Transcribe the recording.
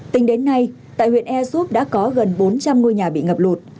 tính đến nay tại huyện air soup đã có gần bốn trăm linh ngôi nhà bị ngập lụt